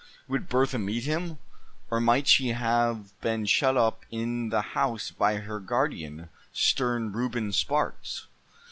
Would Bertha meet him; or might she have been shut up in the house by her guardian, stern Reuben Sparks?